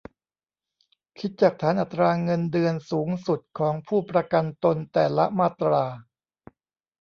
คิดจากฐานอัตราเงินเดือนสูงสุดของผู้ประกันตนแต่ละมาตรา